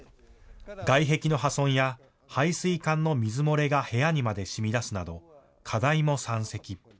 外壁の破損や排水管の水漏れが部屋にまでしみ出すなど課題も山積。